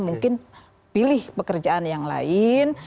mungkin pilih pekerjaan yang lain